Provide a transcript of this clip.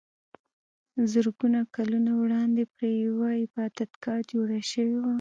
زرګونه کلونه وړاندې پرې یوه عبادتګاه جوړه شوې وه.